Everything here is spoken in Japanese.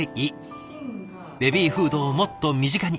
ベビーフードをもっと身近に。